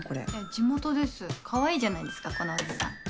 地元ですかわいいじゃないですかこのおじさん。